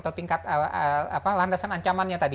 atau tingkat landasan ancamannya tadi